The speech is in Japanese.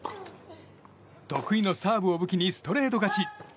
得意のサーブを武器にストレート勝ち。